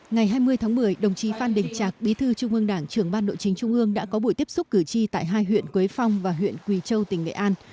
ngày hai mươi tháng một mươi đồng chí phan đình trạc bí thư trung ương đảng trưởng ban nội chính trung ương đã có buổi tiếp xúc cử tri tại hai huyện quế phong và huyện quỳ châu tỉnh nghệ an